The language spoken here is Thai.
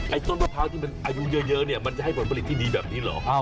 ต้นมะพร้าวที่มันอายุเยอะเนี่ยมันจะให้ผลผลิตที่ดีแบบนี้เหรอ